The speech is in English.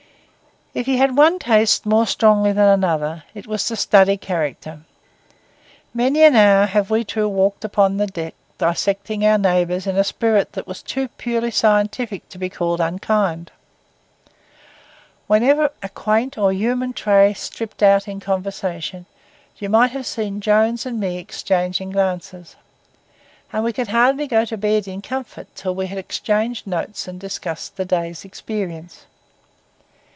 If he had one taste more strongly than another, it was to study character. Many an hour have we two walked upon the deck dissecting our neighbours in a spirit that was too purely scientific to be called unkind; whenever a quaint or human trait slipped out in conversation, you might have seen Jones and me exchanging glances; and we could hardly go to bed in comfort till we had exchanged notes and discussed the day's experience.